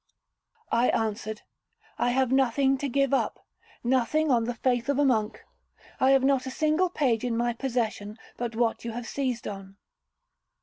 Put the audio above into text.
I answered, 'I have nothing to give up—nothing on the faith of a monk. I have not a single page in my possession, but what you have seized on.'